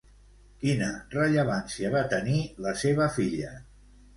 Quina rellevància va tenir la seva filla?